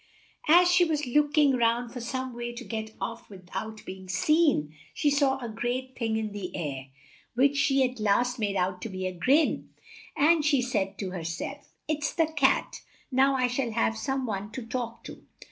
As she was look ing round for some way to get off with out be ing seen, she saw a strange thing in the air, which she at last made out to be a grin, and she said to her self, "It's the Cat; now I shall have some one to talk to."